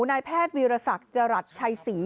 นายแพทย์วีรศักดิ์จรัสชัยศรี